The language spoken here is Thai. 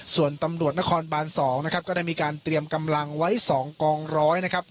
ส่วนตำรวจนครบาน๒นะครับก็ได้มีการเตรียมกำลังไว้๒กองร้อยนะครับ